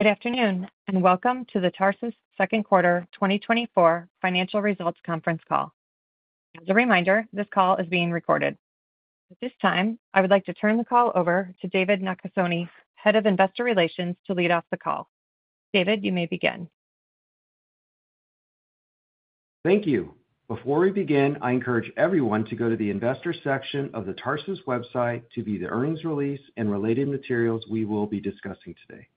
Good afternoon, and welcome to the Tarsus second quarter 2024 financial results conference call. As a reminder, this call is being recorded. At this time, I would like to turn the call over to David Nakasone, Head of Investor Relations, to lead off the call. David, you may begin. Thank you. Before we begin, I encourage everyone to go to the investor section of the Tarsus website to view the earnings release and related materials we will be discussing today.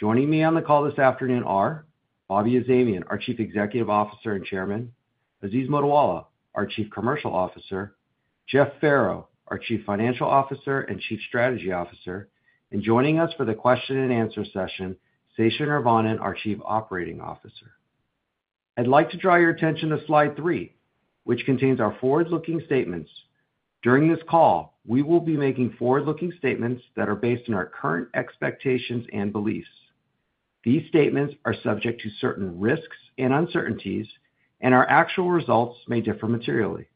Joining me on the call this afternoon are Bobak Azamian, our Chief Executive Officer and Chairman, Aziz Mottiwala, our Chief Commercial Officer, Jeff Farrow, our Chief Financial Officer and Chief Strategy Officer, and joining us for the question and answer session, Sesha Neervannan, our Chief Operating Officer. I'd like to draw your attention to slide three, which contains our forward-looking statements. During this call, we will be making forward-looking statements that are based on our current expectations and beliefs. These statements are subject to certain risks and uncertainties, and our actual results may differ materially.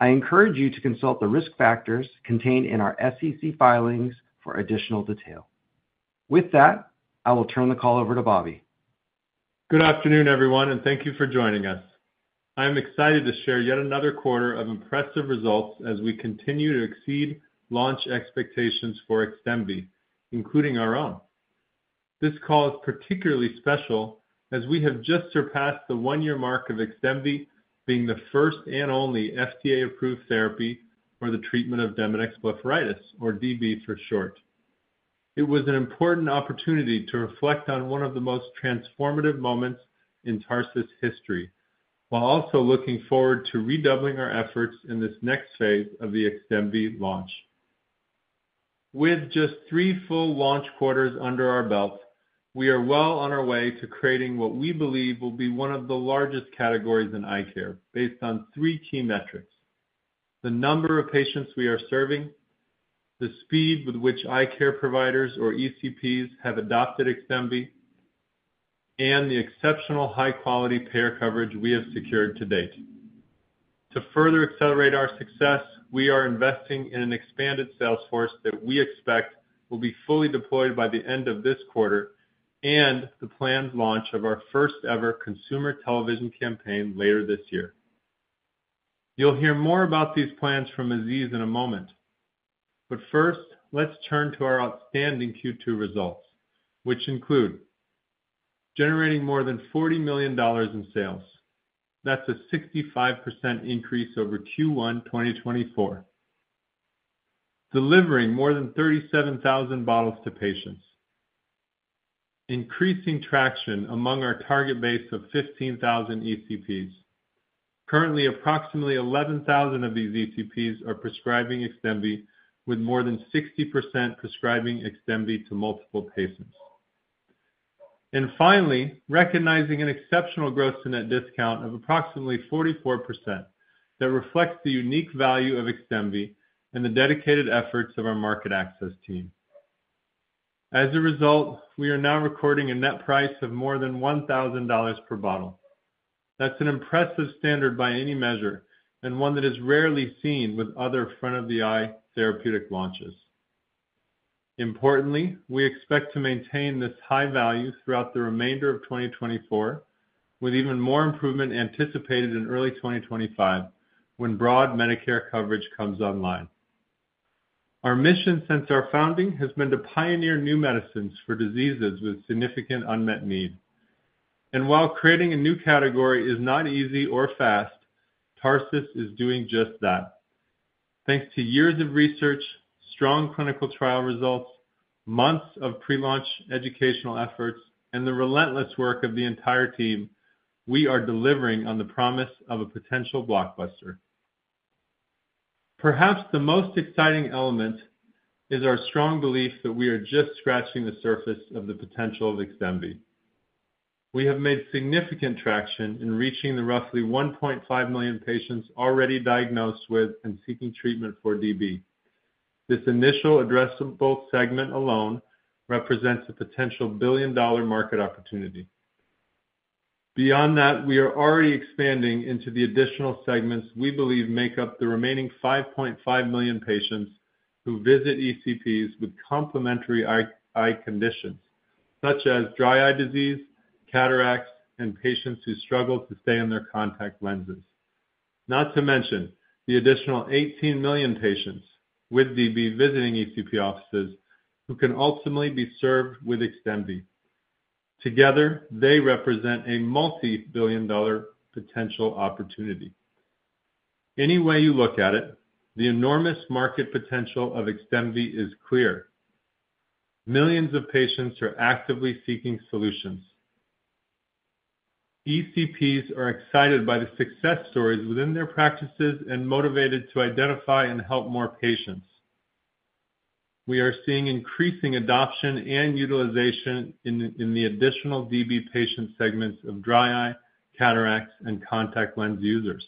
I encourage you to consult the risk factors contained in our SEC filings for additional detail. With that, I will turn the call over to Bobby. Good afternoon, everyone, and thank you for joining us. I'm excited to share yet another quarter of impressive results as we continue to exceed launch expectations for XDEMVY, including our own. This call is particularly special as we have just surpassed the one-year mark of XDEMVY being the first and only FDA-approved therapy for the treatment of Demodex blepharitis, or DB for short. It was an important opportunity to reflect on one of the most transformative moments in Tarsus history, while also looking forward to redoubling our efforts in this next phase of the XDEMVY launch. With just three full launch quarters under our belt, we are well on our way to creating what we believe will be one of the largest categories in eye care, based on three key metrics: the number of patients we are serving, the speed with which eye care providers or ECPs have adopted XDEMVY, and the exceptional high-quality payer coverage we have secured to date. To further accelerate our success, we are investing in an expanded sales force that we expect will be fully deployed by the end of this quarter and the planned launch of our first-ever consumer television campaign later this year. You'll hear more about these plans from Aziz in a moment. But first, let's turn to our outstanding Q2 results, which include generating more than $40 million in sales. That's a 65% increase over Q1 2024. Delivering more than 37,000 bottles to patients. Increasing traction among our target base of 15,000 ECPs. Currently, approximately 11,000 of these ECPs are prescribing XDEMVY, with more than 60% prescribing XDEMVY to multiple patients. And finally, recognizing an exceptional gross-to-net discount of approximately 44%, that reflects the unique value of XDEMVY and the dedicated efforts of our market access team. As a result, we are now recording a net price of more than $1,000 per bottle. That's an impressive standard by any measure and one that is rarely seen with other front-of-the-eye therapeutic launches. Importantly, we expect to maintain this high value throughout the remainder of 2024, with even more improvement anticipated in early 2025, when broad Medicare coverage comes online. Our mission since our founding has been to pioneer new medicines for diseases with significant unmet need. And while creating a new category is not easy or fast, Tarsus is doing just that. Thanks to years of research, strong clinical trial results, months of pre-launch educational efforts, and the relentless work of the entire team, we are delivering on the promise of a potential blockbuster. Perhaps the most exciting element is our strong belief that we are just scratching the surface of the potential of XDEMVY. We have made significant traction in reaching the roughly 1.5 million patients already diagnosed with and seeking treatment for DB. This initial addressable segment alone represents a potential billion-dollar market opportunity. Beyond that, we are already expanding into the additional segments we believe make up the remaining 5.5 million patients who visit ECPs with complementary eye, eye conditions, such as dry eye disease, cataracts, and patients who struggle to stay on their contact lenses. Not to mention, the additional 18 million patients with DB visiting ECP offices, who can ultimately be served with XDEMVY. Together, they represent a multi-billion-dollar potential opportunity. Any way you look at it, the enormous market potential of XDEMVY is clear. Millions of patients are actively seeking solutions. ECPs are excited by the success stories within their practices and motivated to identify and help more patients. We are seeing increasing adoption and utilization in the additional DB patient segments of dry eye, cataracts, and contact lens users.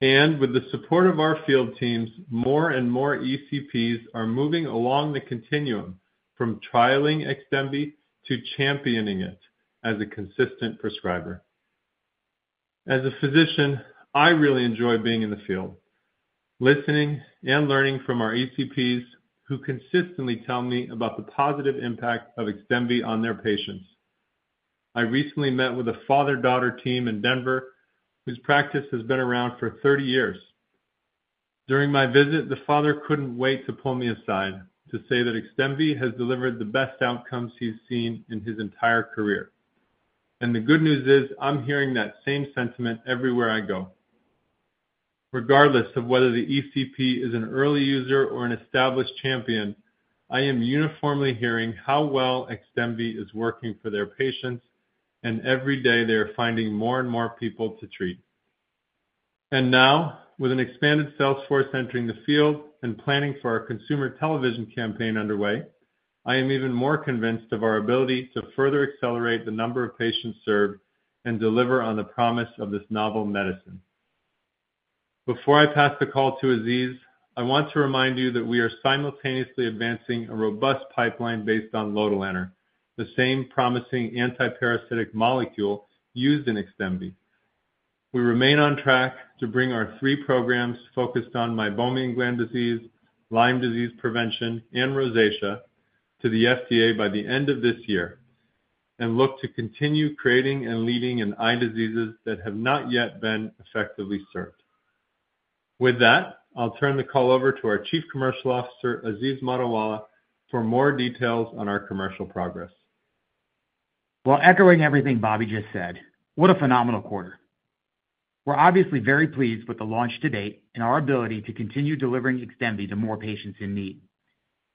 And with the support of our field teams, more and more ECPs are moving along the continuum from trialing XDEMVY to championing it as a consistent prescriber. As a physician, I really enjoy being in the field, listening and learning from our ECPs, who consistently tell me about the positive impact of XDEMVY on their patients. I recently met with a father-daughter team in Denver, whose practice has been around for 30 years. During my visit, the father couldn't wait to pull me aside to say that XDEMVY has delivered the best outcomes he's seen in his entire career. The good news is, I'm hearing that same sentiment everywhere I go. Regardless of whether the ECP is an early user or an established champion, I am uniformly hearing how well XDEMVY is working for their patients, and every day they are finding more and more people to treat. Now, with an expanded sales force entering the field and planning for our consumer television campaign underway, I am even more convinced of our ability to further accelerate the number of patients served and deliver on the promise of this novel medicine. Before I pass the call to Aziz, I want to remind you that we are simultaneously advancing a robust pipeline based on lotilaner, the same promising antiparasitic molecule used in XDEMVY. We remain on track to bring our three programs focused on Meibomian gland disease, Lyme disease prevention, and rosacea to the FDA by the end of this year, and look to continue creating and leading in eye diseases that have not yet been effectively served. With that, I'll turn the call over to our Chief Commercial Officer, Aziz Mottiwala, for more details on our commercial progress. Well, echoing everything Bobby just said, what a phenomenal quarter! We're obviously very pleased with the launch to date and our ability to continue delivering XDEMVY to more patients in need.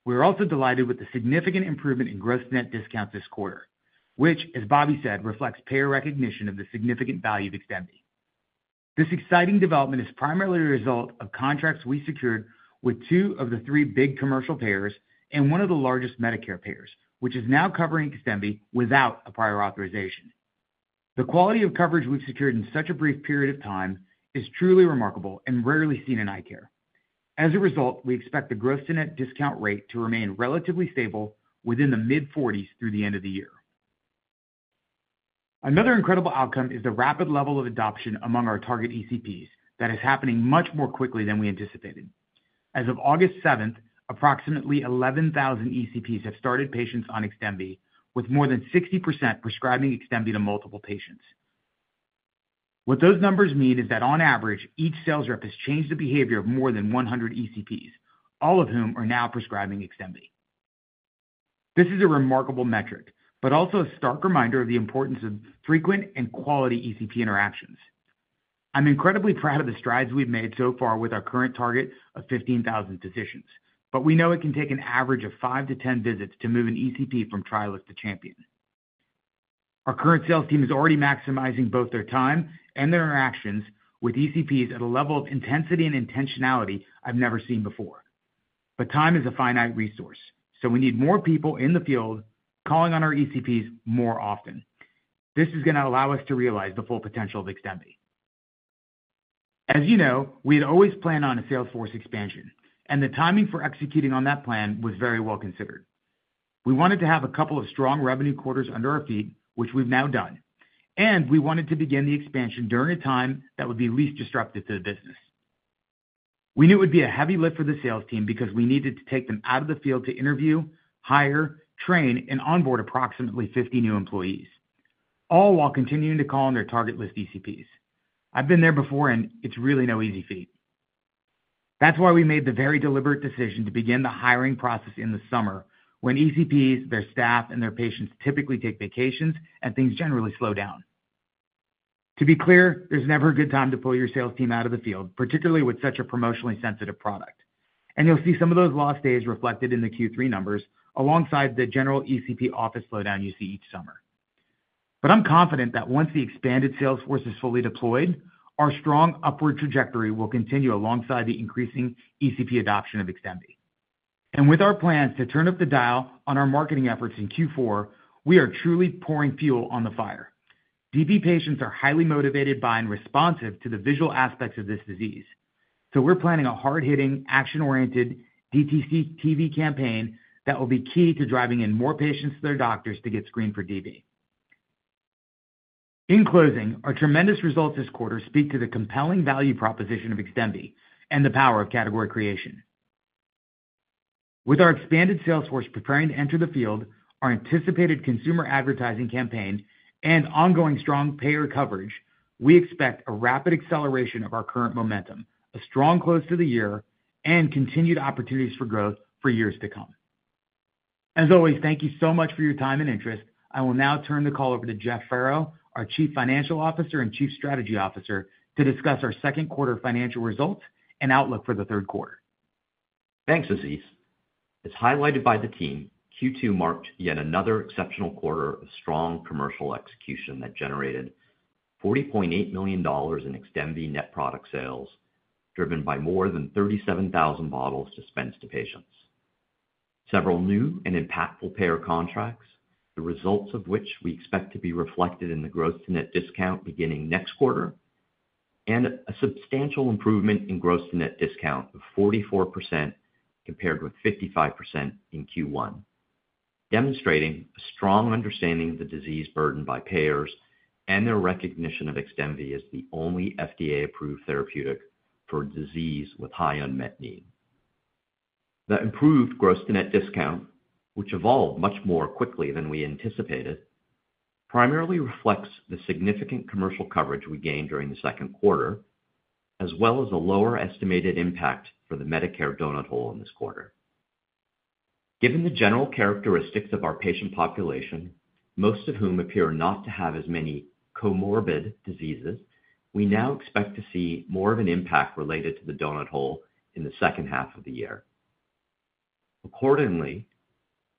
We are also delighted with the significant improvement in gross-to-net discount this quarter, which, as Bobby said, reflects payer recognition of the significant value of XDEMVY. This exciting development is primarily a result of contracts we secured with two of the three big commercial payers and one of the largest Medicare payers, which is now covering XDEMVY without a prior authorization. The quality of coverage we've secured in such a brief period of time is truly remarkable and rarely seen in eye care. As a result, we expect the gross-to-net discount rate to remain relatively stable within the mid-forties through the end of the year. Another incredible outcome is the rapid level of adoption among our target ECPs that is happening much more quickly than we anticipated. As of August seventh, approximately 11,000 ECPs have started patients on XDEMVY, with more than 60% prescribing XDEMVY to multiple patients. What those numbers mean is that on average, each sales rep has changed the behavior of more than 100 ECPs, all of whom are now prescribing XDEMVY. This is a remarkable metric, but also a stark reminder of the importance of frequent and quality ECP interactions. I'm incredibly proud of the strides we've made so far with our current target of 15,000 physicians, but we know it can take an average of 5-10 visits to move an ECP from trialist to champion. Our current sales team is already maximizing both their time and their interactions with ECPs at a level of intensity and intentionality I've never seen before. But time is a finite resource, so we need more people in the field calling on our ECPs more often. This is going to allow us to realize the full potential of XDEMVY. As you know, we had always planned on a sales force expansion, and the timing for executing on that plan was very well considered. We wanted to have a couple of strong revenue quarters under our feet, which we've now done, and we wanted to begin the expansion during a time that would be least disruptive to the business. We knew it would be a heavy lift for the sales team because we needed to take them out of the field to interview, hire, train, and onboard approximately 50 new employees, all while continuing to call on their target list ECPs. I've been there before, and it's really no easy feat. That's why we made the very deliberate decision to begin the hiring process in the summer, when ECPs, their staff, and their patients typically take vacations and things generally slow down. To be clear, there's never a good time to pull your sales team out of the field, particularly with such a promotionally sensitive product. You'll see some of those lost days reflected in the Q3 numbers, alongside the general ECP office slowdown you see each summer. I'm confident that once the expanded sales force is fully deployed, our strong upward trajectory will continue alongside the increasing ECP adoption of XDEMVY. With our plans to turn up the dial on our marketing efforts in Q4, we are truly pouring fuel on the fire. DB patients are highly motivated by and responsive to the visual aspects of this disease. We're planning a hard-hitting, action-oriented DTC TV campaign that will be key to driving in more patients to their doctors to get screened for DB. In closing, our tremendous results this quarter speak to the compelling value proposition of XDEMVY and the power of category creation. With our expanded sales force preparing to enter the field, our anticipated consumer advertising campaign and ongoing strong payer coverage, we expect a rapid acceleration of our current momentum, a strong close to the year, and continued opportunities for growth for years to come. As always, thank you so much for your time and interest. I will now turn the call over to Jeff Farrow, our Chief Financial Officer and Chief Strategy Officer, to discuss our second quarter financial results and outlook for the third quarter. Thanks, Aziz. As highlighted by the team, Q2 marked yet another exceptional quarter of strong commercial execution that generated $40.8 million in XDEMVY net product sales, driven by more than 37,000 bottles dispensed to patients. Several new and impactful payer contracts, the results of which we expect to be reflected in the gross-to-net discount beginning next quarter, and a substantial improvement in gross-to-net discount of 44%, compared with 55% in Q1. Demonstrating a strong understanding of the disease burden by payers and their recognition of XDEMVY as the only FDA-approved therapeutic for a disease with high unmet need. The improved gross to net discount, which evolved much more quickly than we anticipated, primarily reflects the significant commercial coverage we gained during the second quarter, as well as a lower estimated impact for the Medicare donut hole in this quarter. Given the general characteristics of our patient population, most of whom appear not to have as many comorbid diseases, we now expect to see more of an impact related to the donut hole in the second half of the year. Accordingly,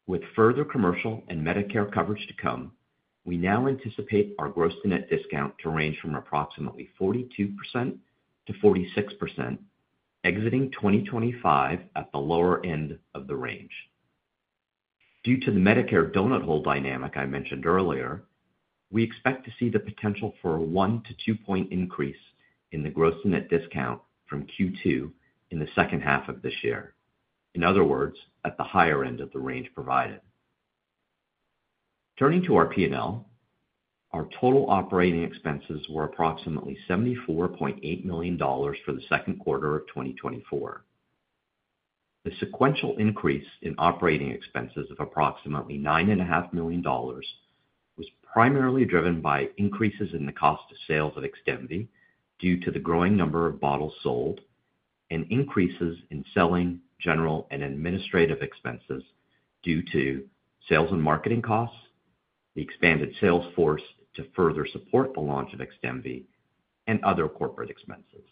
with further commercial and Medicare coverage to come, we now anticipate our gross-to-net discount to range from approximately 42%-46%, exiting 2025 at the lower end of the range. Due to the Medicare donut hole dynamic I mentioned earlier, we expect to see the potential for a 1-2 point increase in the gross-to-net discount from Q2 in the second half of this year. In other words, at the higher end of the range provided. Turning to our P&L, our total operating expenses were approximately $74.8 million for the second quarter of 2024. The sequential increase in operating expenses of approximately $9.5 million was primarily driven by increases in the cost of sales of XDEMVY due to the growing number of bottles sold and increases in selling, general, and administrative expenses due to sales and marketing costs, the expanded sales force to further support the launch of XDEMVY, and other corporate expenses.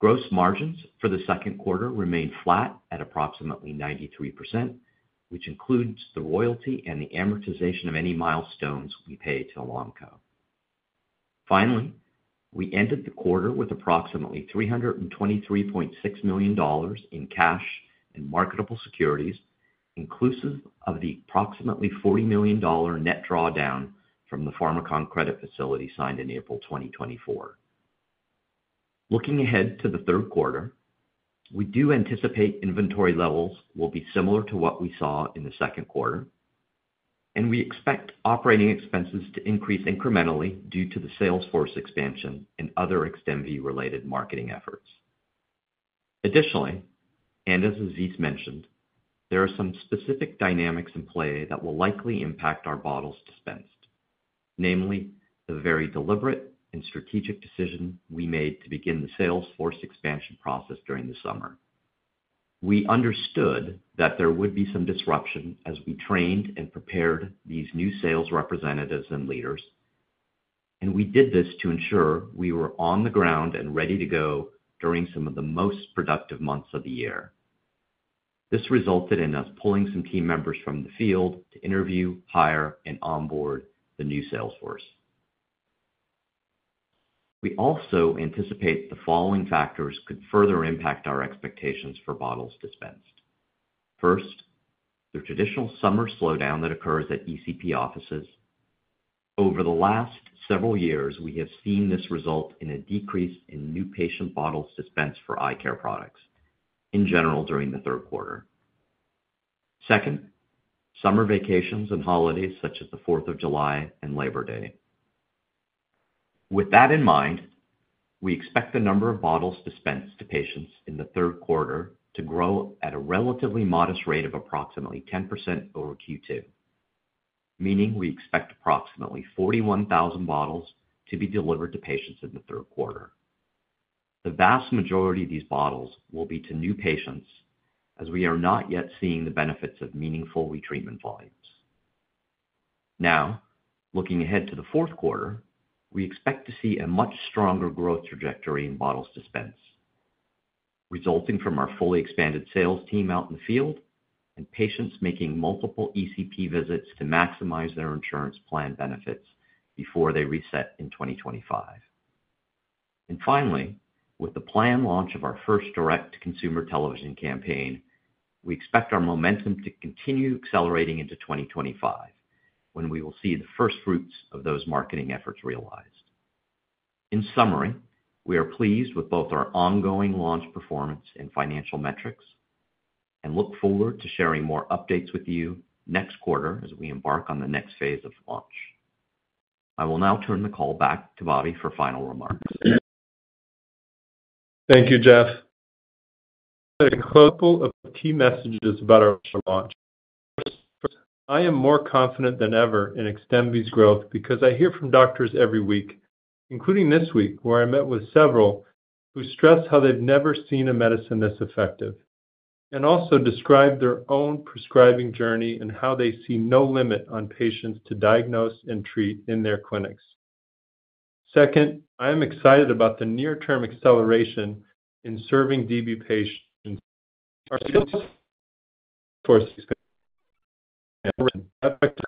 Gross margins for the second quarter remained flat at approximately 93%, which includes the royalty and the amortization of any milestones we pay to Elanco. Finally, we ended the quarter with approximately $323.6 million in cash and marketable securities, inclusive of the approximately $40 million net drawdown from the Pharmakon credit facility signed in April 2024. Looking ahead to the third quarter, we do anticipate inventory levels will be similar to what we saw in the second quarter, and we expect operating expenses to increase incrementally due to the sales force expansion and other XDEMVY-related marketing efforts. Additionally, and as Aziz mentioned, there are some specific dynamics in play that will likely impact our bottles dispensed, namely, the very deliberate and strategic decision we made to begin the sales force expansion process during the summer. We understood that there would be some disruption as we trained and prepared these new sales representatives and leaders, and we did this to ensure we were on the ground and ready to go during some of the most productive months of the year. This resulted in us pulling some team members from the field to interview, hire, and onboard the new sales force. We also anticipate the following factors could further impact our expectations for bottles dispensed. First, the traditional summer slowdown that occurs at ECP offices. Over the last several years, we have seen this result in a decrease in new patient bottle dispensed for eye care products in general during the third quarter. Second, summer vacations and holidays, such as the Fourth of July and Labor Day. With that in mind, we expect the number of bottles dispensed to patients in the third quarter to grow at a relatively modest rate of approximately 10% over Q2, meaning we expect approximately 41,000 bottles to be delivered to patients in the third quarter. The vast majority of these bottles will be to new patients, as we are not yet seeing the benefits of meaningful retreatment volumes. Now, looking ahead to the fourth quarter, we expect to see a much stronger growth trajectory in bottles dispensed, resulting from our fully expanded sales team out in the field and patients making multiple ECP visits to maximize their insurance plan benefits before they reset in 2025. And finally, with the planned launch of our first direct-to-consumer television campaign, we expect our momentum to continue accelerating into 2025, when we will see the first fruits of those marketing efforts realized. In summary, we are pleased with both our ongoing launch performance and financial metrics, and look forward to sharing more updates with you next quarter as we embark on the next phase of launch. I will now turn the call back to Bobby for final remarks. Thank you, Jeff. A couple of key messages about our launch. First, I am more confident than ever in XDEMVY's growth because I hear from doctors every week, including this week, where I met with several, who stress how they've never seen a medicine this effective, and also describe their own prescribing journey and how they see no limit on patients to diagnose and treat in their clinics. Second, I am excited about the near term acceleration in serving DB patients. Similar, ECPs amplify the early and champions of XDEMVY. We expect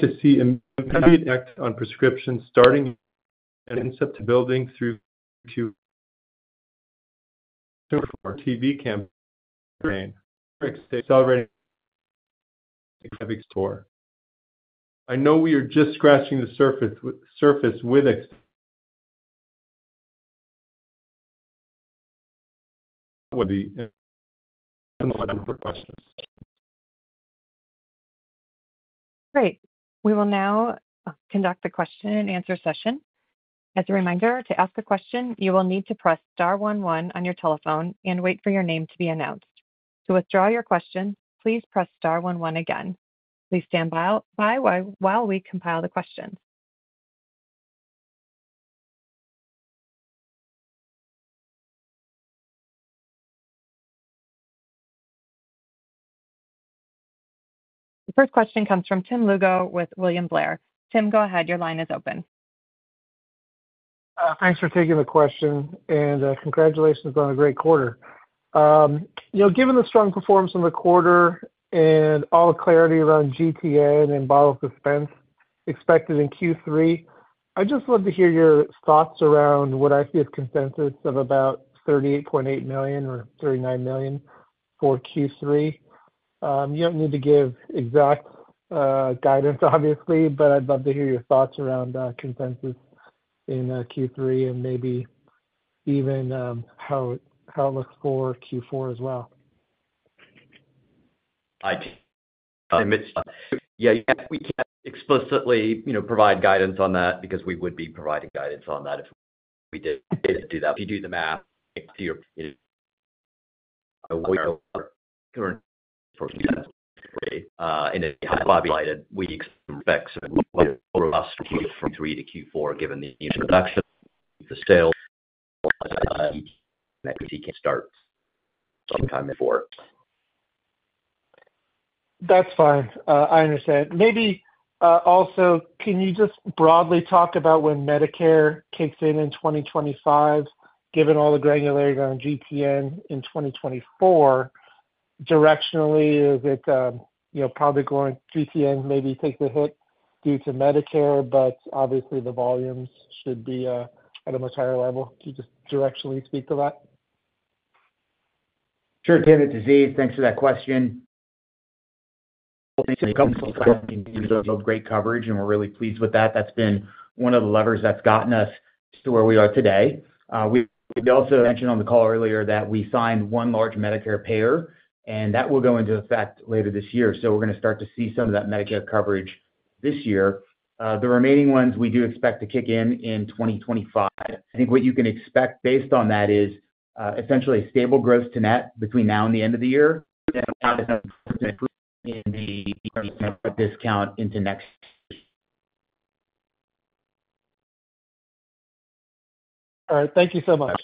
to see immediate impact on prescriptions starting and interest building through Q- TV campaign celebrating success stories. I know we are just scratching the surface with the questions. Great. We will now conduct the question and answer session. As a reminder, to ask a question, you will need to press star one one on your telephone and wait for your name to be announced. To withdraw your question, please press star one one again. Please stand by while we compile the questions. The first question comes from Tim Lugo with William Blair. Tim, go ahead. Your line is open. Thanks for taking the question, and congratulations on a great quarter. You know, given the strong performance in the quarter and all the clarity around GTN and bottle suspense expected in Q3, I'd just love to hear your thoughts around what I see as consensus of about $38.8 million or $39 million for Q3. You don't need to give exact guidance, obviously, but I'd love to hear your thoughts around consensus in Q3 and maybe even how it looks for Q4 as well. Yeah, yeah, we can't explicitly, you know, provide guidance on that because we would be providing guidance on that if we did do that. If you do the math to your current, and as I highlighted, we expect Q3 to Q4, given the introduction, the sale start sometime before. That's fine. I understand. Maybe, also, can you just broadly talk about when Medicare kicks in in 2025, given all the granularity around GTN in 2024, directionally, is it, you know, probably going GTN maybe take the hit due to Medicare, but obviously the volumes should be, at a much higher level? Can you just directionally speak to that? Sure, Tim, it's Aziz, thanks for that question. Great coverage, and we're really pleased with that. That's been one of the levers that's gotten us to where we are today. We also mentioned on the call earlier that we signed one large Medicare payer, and that will go into effect later this year. So we're gonna start to see some of that Medicare coverage this year. The remaining ones we do expect to kick in in 2025. I think what you can expect based on that is essentially a stable gross to net between now and the end of the year in the discount into next. All right. Thank you so much.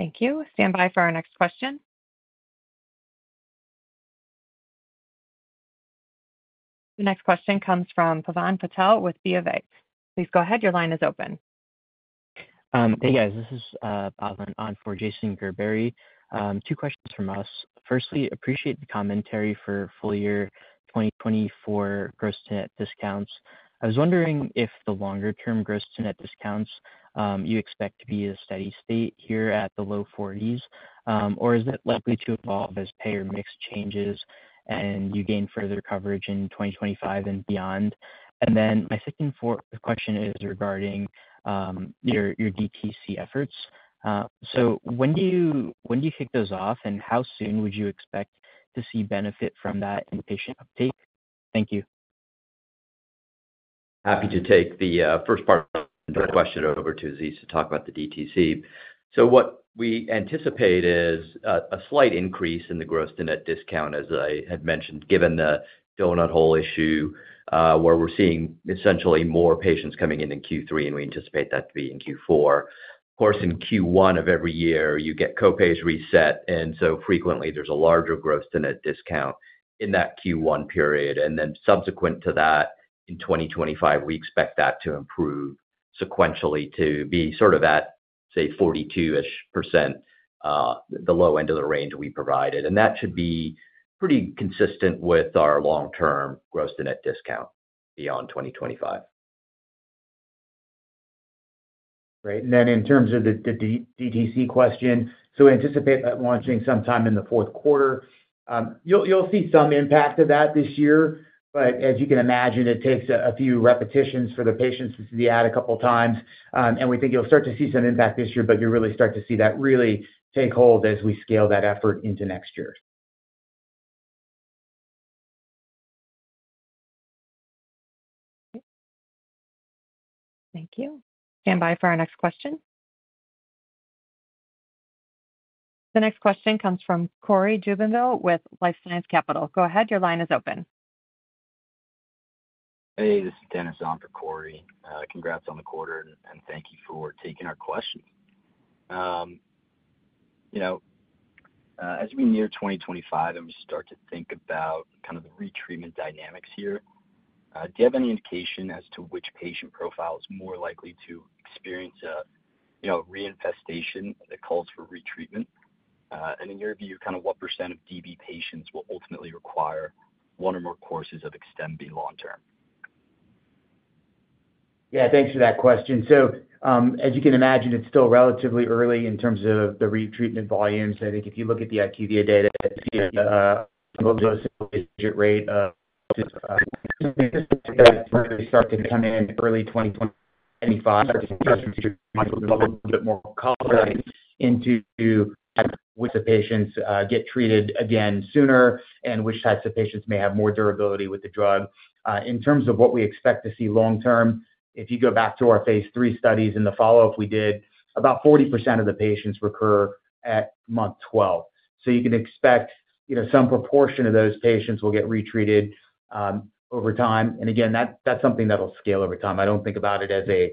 Thank you. Stand by for our next question. The next question comes from Pavan Patel with B of A. Please go ahead. Your line is open. Hey, guys, this is Pavan on for Jason Gerberry. Two questions from us. Firstly, appreciate the commentary for full year 2024 gross-to-net discounts. I was wondering if the longer term gross-to-net discounts you expect to be a steady state here at the low 40s, or is it likely to evolve as payer mix changes and you gain further coverage in 2025 and beyond? And then my second question is regarding your DTC efforts. So when do you kick those off, and how soon would you expect to see benefit from that in patient uptake? Thank you. Happy to take the first part of the question over to Z to talk about the DTC. So what we anticipate is a slight increase in the gross to net discount, as I had mentioned, given the donut hole issue, where we're seeing essentially more patients coming in in Q3, and we anticipate that to be in Q4. Of course, in Q1 of every year, you get co-pays reset, and so frequently there's a larger gross to net discount in that Q1 period. And then subsequent to that, in 2025, we expect that to improve sequentially to be sort of at, say, 42-ish%, the low end of the range we provided. And that should be pretty consistent with our long-term gross to net discount beyond 2025. Great. In terms of the DTC question, so anticipate that launching sometime in the fourth quarter. You'll see some impact of that this year, but as you can imagine, it takes a few repetitions for the patients to see the ad a couple times. And we think you'll start to see some impact this year, but you really start to see that really take hold as we scale that effort into next year. Thank you. Stand by for our next question. The next question comes from Cory Jubinville with LifeSci Capital. Go ahead, your line is open. Hey, this is Dennis on for Cory. Congrats on the quarter, and thank you for taking our question. You know, as we near 2025 and we start to think about kind of the retreatment dynamics here, do you have any indication as to which patient profile is more likely to experience—you know, reinfestation that calls for retreatment? And in your view, kind of what % of DB patients will ultimately require one or more courses of XDEMVY long-term? Yeah, thanks for that question. So, as you can imagine, it's still relatively early in terms of the retreatment volumes. I think if you look at the IQVIA data, rate of just start to come in early 2025, a little bit more color into which the patients get treated again sooner and which types of patients may have more durability with the drug. In terms of what we expect to see long-term, if you go back to our phase 3 studies and the follow-up we did, about 40% of the patients recur at month 12. So you can expect, you know, some proportion of those patients will get retreated over time. And again, that's something that will scale over time. I don't think about it as a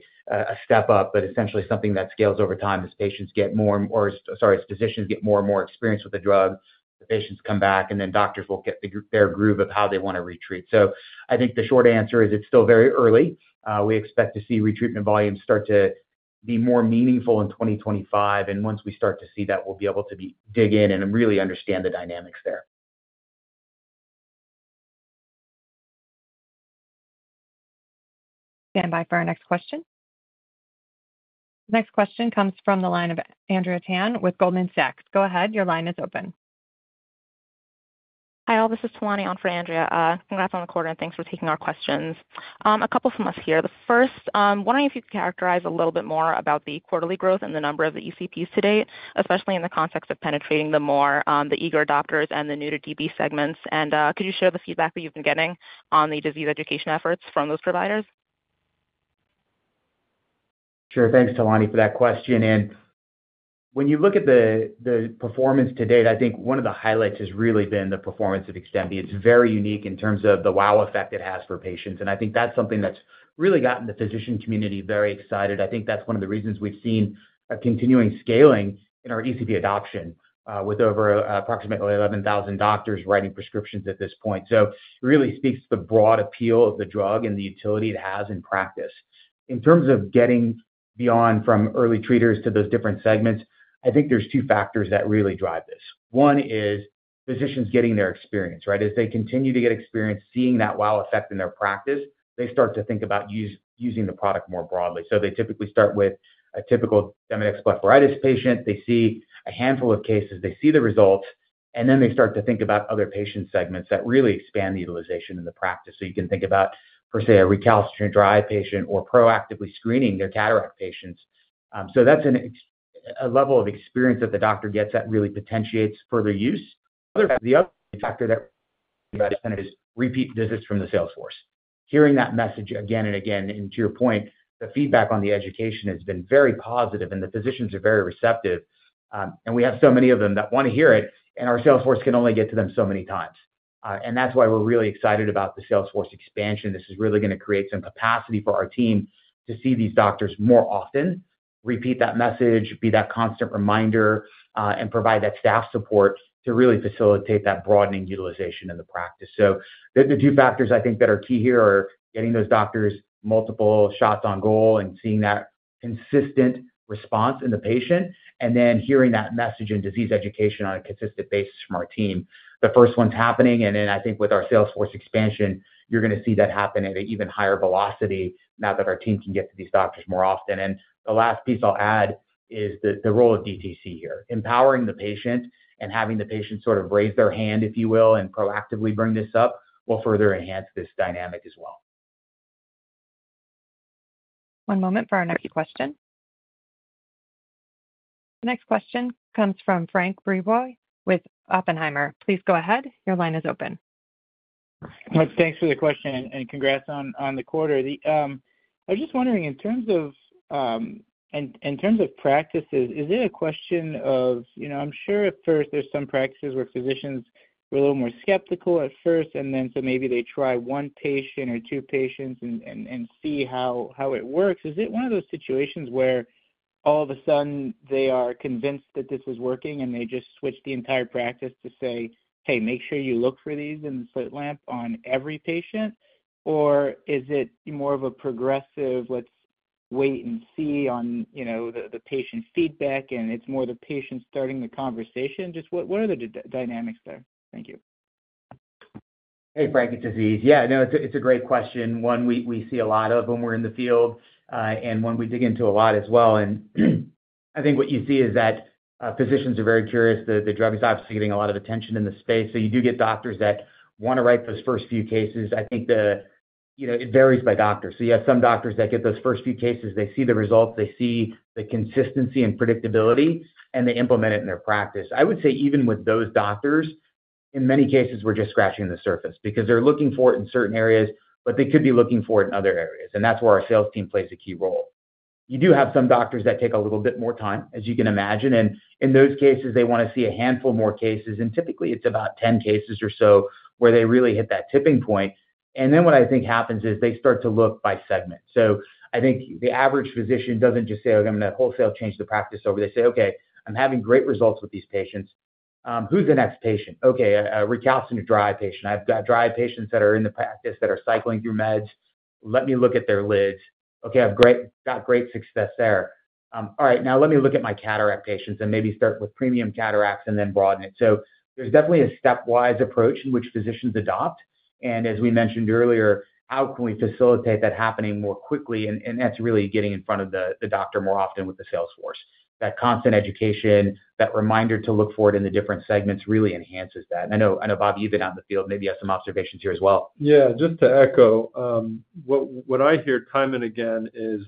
step up, but essentially something that scales over time as patients get more and more... Sorry, as physicians get more and more experienced with the drug, the patients come back, and then doctors will get their groove of how they want to retreat. So I think the short answer is it's still very early. We expect to see retreatment volumes start to be more meaningful in 2025, and once we start to see that, we'll be able to dig in and really understand the dynamics there. Stand by for our next question. Next question comes from the line of Andrea Tan with Goldman Sachs. Go ahead. Your line is open. Hi, all. This is Tolani on for Andrea. Congrats on the quarter, and thanks for taking our questions. A couple from us here. The first, wondering if you could characterize a little bit more about the quarterly growth and the number of ECPs to date, especially in the context of penetrating them more, the eager adopters and the new to DB segments. And could you share the feedback that you've been getting on the disease education efforts from those providers? Sure. Thanks, Tolani, for that question. And when you look at the performance to date, I think one of the highlights has really been the performance of XDEMVY. It's very unique in terms of the wow effect it has for patients, and I think that's something that's really gotten the physician community very excited. I think that's one of the reasons we've seen a continuing scaling in our ECP adoption, with over approximately 11,000 doctors writing prescriptions at this point. So it really speaks to the broad appeal of the drug and the utility it has in practice. In terms of getting beyond from early treaters to those different segments, I think there's two factors that really drive this. One is physicians getting their experience, right? As they continue to get experience, seeing that wow effect in their practice, they start to think about using the product more broadly. So they typically start with a typical Demodex blepharitis patient. They see a handful of cases, they see the results, and then they start to think about other patient segments that really expand the utilization in the practice. So you can think about, per se, a recalcitrant dry eye patient or proactively screening their cataract patients. So that's a level of experience that the doctor gets that really potentiates further use. The other factor that is repeat visits from the sales force. Hearing that message again and again, and to your point, the feedback on the education has been very positive and the physicians are very receptive, and we have so many of them that want to hear it, and our sales force can only get to them so many times. And that's why we're really excited about the sales force expansion. This is really going to create some capacity for our team to see these doctors more often, repeat that message, be that constant reminder, and provide that staff support to really facilitate that broadening utilization in the practice. So the two factors I think that are key here are getting those doctors multiple shots on goal and seeing that consistent response in the patient, and then hearing that message in disease education on a consistent basis from our team. The first one's happening, and then I think with our sales force expansion, you're going to see that happen at an even higher velocity now that our team can get to these doctors more often. And the last piece I'll add is the role of DTC here. Empowering the patient and having the patient sort of raise their hand, if you will, and proactively bring this up, will further enhance this dynamic as well. One moment for our next question. Next question comes from Frank Brisebois with Oppenheimer. Please go ahead. Your line is open. Thanks for the question, and congrats on the quarter. I was just wondering, in terms of practices, is it a question of, you know, I'm sure at first there's some practices where physicians were a little more skeptical at first, and then so maybe they try one patient or two patients and see how it works. Is it one of those situations where all of a sudden they are convinced that this is working and they just switch the entire practice to say, "Hey, make sure you look for these in the slit lamp on every patient"? Or is it more of a progressive, let's wait and see on, you know, the patient feedback, and it's more the patient starting the conversation? Just what are the dynamics there? Thank you. Hey, Frank, it's Aziz. Yeah, no, it's a great question. One we see a lot of when we're in the field, and one we dig into a lot as well. And I think what you see is that physicians are very curious. The drug is obviously getting a lot of attention in the space, so you do get doctors that want to write those first few cases. I think the... You know, it varies by doctor. So you have some doctors that get those first few cases, they see the results, they see the consistency and predictability, and they implement it in their practice. I would say even with those doctors, in many cases, we're just scratching the surface because they're looking for it in certain areas, but they could be looking for it in other areas, and that's where our sales team plays a key role. You do have some doctors that take a little bit more time, as you can imagine, and in those cases, they want to see a handful more cases, and typically it's about 10 cases or so where they really hit that tipping point. And then what I think happens is they start to look by segment. So I think the average physician doesn't just say, "I'm going to wholesale change the practice over." They say, "Okay, I'm having great results with these patients... Who's the next patient? Okay, a recalcitrant dry eye patient. I've got dry eye patients that are in the practice that are cycling through meds. Let me look at their lids. Okay, I've got great success there. All right, now let me look at my cataract patients and maybe start with premium cataracts and then broaden it. So there's definitely a stepwise approach in which physicians adopt, and as we mentioned earlier, how can we facilitate that happening more quickly? And that's really getting in front of the doctor more often with the sales force. That constant education, that reminder to look for it in the different segments, really enhances that. I know, I know, Bobby, you've been out in the field, maybe you have some observations here as well. Yeah, just to echo, what I hear time and again is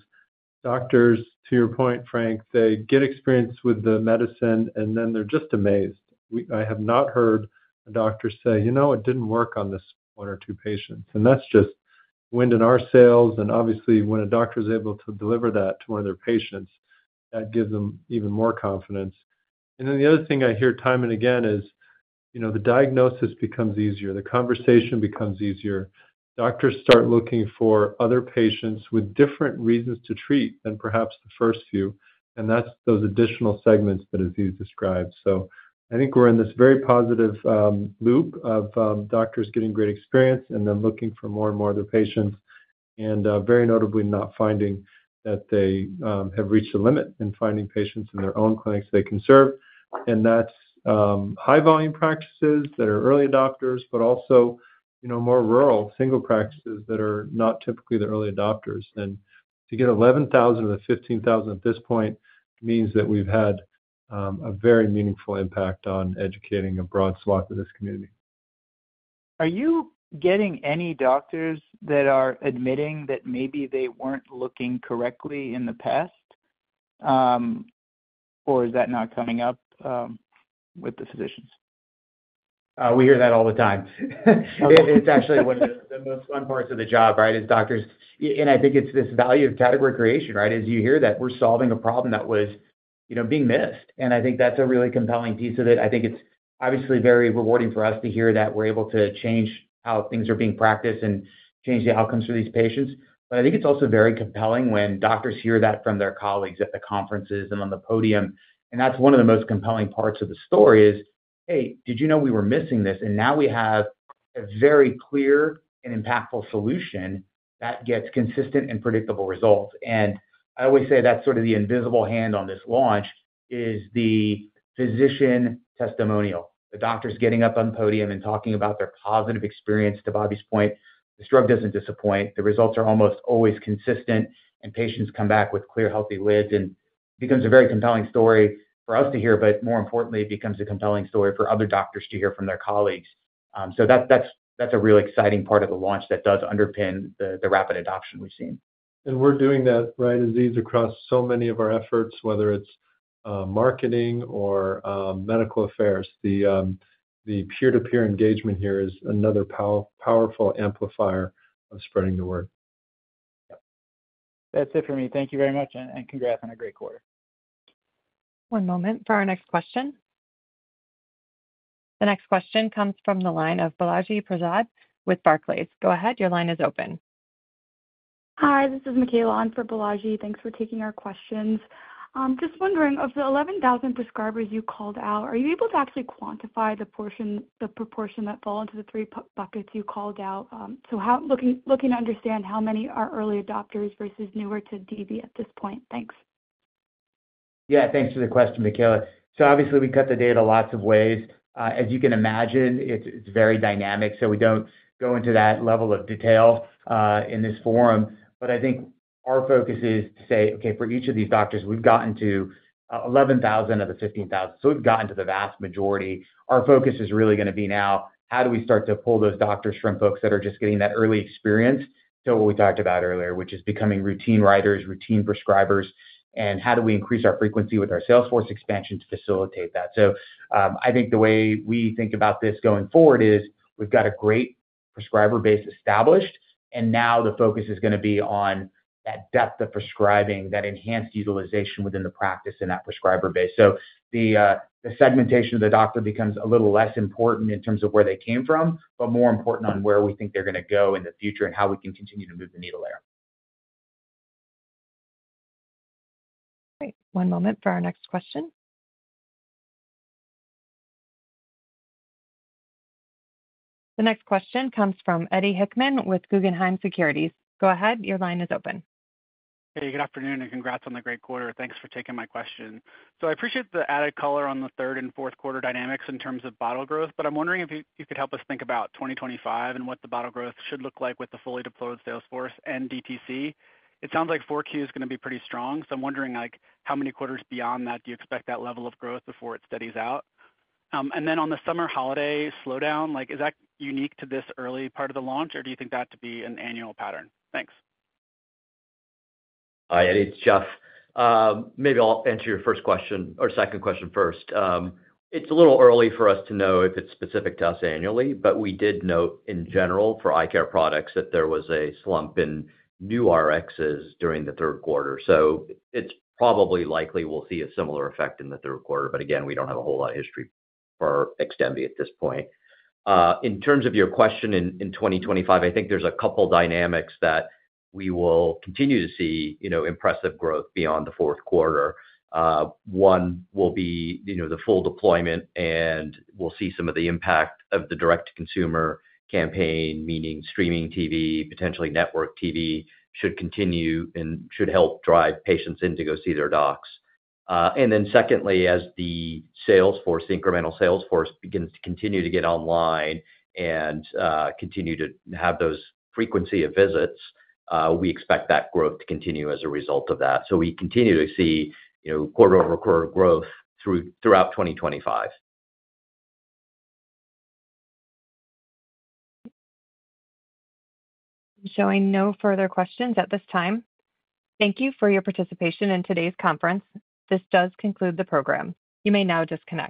doctors, to your point, Frank, they get experience with the medicine, and then they're just amazed. I have not heard a doctor say, "You know, it didn't work on this one or two patients." And that's just wind in our sails, and obviously, when a doctor is able to deliver that to one of their patients, that gives them even more confidence. And then the other thing I hear time and again is, you know, the diagnosis becomes easier, the conversation becomes easier. Doctors start looking for other patients with different reasons to treat than perhaps the first few, and that's those additional segments that Aziz described. So I think we're in this very positive loop of doctors getting great experience and then looking for more and more of their patients, and very notably not finding that they have reached a limit in finding patients in their own clinics they can serve. And that's high volume practices that are early adopters, but also, you know, more rural single practices that are not typically the early adopters. And to get 11,000-15,000 at this point means that we've had a very meaningful impact on educating a broad swath of this community. Are you getting any doctors that are admitting that maybe they weren't looking correctly in the past, or is that not coming up, with the physicians? We hear that all the time. It's actually one of the most fun parts of the job, right? It's doctors and I think it's this value of category creation, right? As you hear that we're solving a problem that was, you know, being missed. And I think that's a really compelling piece of it. I think it's obviously very rewarding for us to hear that we're able to change how things are being practiced and change the outcomes for these patients. But I think it's also very compelling when doctors hear that from their colleagues at the conferences and on the podium, and that's one of the most compelling parts of the story is: Hey, did you know we were missing this? And now we have a very clear and impactful solution that gets consistent and predictable results. I always say that's sort of the invisible hand on this launch, is the physician testimonial. The doctors getting up on the podium and talking about their positive experience, to Bobby's point. This drug doesn't disappoint. The results are almost always consistent, and patients come back with clear, healthy lids, and becomes a very compelling story for us to hear, but more importantly, it becomes a compelling story for other doctors to hear from their colleagues. So that's a really exciting part of the launch that does underpin the rapid adoption we've seen. We're doing that, right, Aziz, across so many of our efforts, whether it's marketing or medical affairs. The peer-to-peer engagement here is another powerful amplifier of spreading the word. That's it for me. Thank you very much, and congrats on a great quarter. One moment for our next question. The next question comes from the line of Balaji Prasad with Barclays. Go ahead, your line is open. Hi, this is Michaela. I'm for Balaji. Thanks for taking our questions. Just wondering, of the 11,000 prescribers you called out, are you able to actually quantify the portion, the proportion that fall into the three buckets you called out? So, looking to understand how many are early adopters versus newer to DB at this point. Thanks. Yeah, thanks for the question, Michaela. So obviously, we cut the data lots of ways. As you can imagine, it's very dynamic, so we don't go into that level of detail in this forum. But I think our focus is to say, okay, for each of these doctors, we've gotten to 11,000 of the 15,000, so we've gotten to the vast majority. Our focus is really gonna be now, how do we start to pull those doctors from folks that are just getting that early experience, to what we talked about earlier, which is becoming routine writers, routine prescribers, and how do we increase our frequency with our sales force expansion to facilitate that? So, I think the way we think about this going forward is, we've got a great prescriber base established, and now the focus is gonna be on that depth of prescribing, that enhanced utilization within the practice and that prescriber base. So the segmentation of the doctor becomes a little less important in terms of where they came from, but more important on where we think they're gonna go in the future and how we can continue to move the needle there. Great. One moment for our next question. The next question comes from Eddie Hickman with Guggenheim Securities. Go ahead, your line is open. Hey, good afternoon, and congrats on the great quarter. Thanks for taking my question. So I appreciate the added color on the third and fourth quarter dynamics in terms of bottle growth, but I'm wondering if you, you could help us think about 2025 and what the bottle growth should look like with the fully deployed sales force and DTC. It sounds like 4Q is gonna be pretty strong, so I'm wondering, like, how many quarters beyond that do you expect that level of growth before it steadies out? And then on the summer holiday slowdown, like, is that unique to this early part of the launch, or do you think that to be an annual pattern? Thanks. Hi, Eddie, it's Jeff. Maybe I'll answer your first question or second question first. It's a little early for us to know if it's specific to us annually, but we did note in general, for eye care products, that there was a slump in new RXs during the third quarter. So it's probably likely we'll see a similar effect in the third quarter. But again, we don't have a whole lot of history for XDEMVY at this point. In terms of your question in 2025, I think there's a couple dynamics that we will continue to see, you know, impressive growth beyond the fourth quarter. One will be, you know, the full deployment, and we'll see some of the impact of the direct-to-consumer campaign, meaning streaming TV, potentially network TV, should continue and should help drive patients in to go see their docs. And then secondly, as the sales force, incremental sales force, begins to continue to get online and continue to have those frequency of visits, we expect that growth to continue as a result of that. So we continue to see, you know, quarter-over-quarter growth throughout 2025. Showing no further questions at this time. Thank you for your participation in today's conference. This does conclude the program. You may now disconnect.